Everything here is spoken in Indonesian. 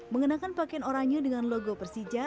mengenakan pakaian oranye dengan logo persija